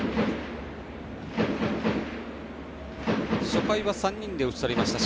初回は３人で打ち取りました。